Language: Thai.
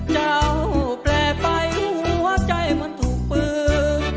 แปลไปหัวใจมันถูกปือ